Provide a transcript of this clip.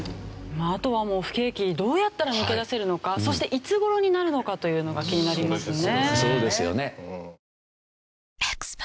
あとはもう不景気どうやったら抜け出せるのかそしていつ頃になるのかというのが気になりますね。